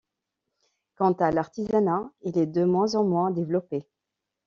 Quant à l’artisanat, il est de moins en moins développé.